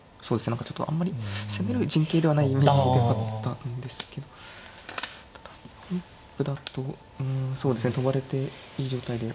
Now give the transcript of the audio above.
何かちょっとあんまり攻める陣形ではないイメージではあったんですけどただ本譜だとうんそうですね跳ばれていい状態で。